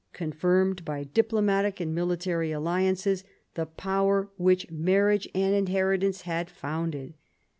confirmed, by diplomatic and military alliances, the power which marriage and inheritance had founded.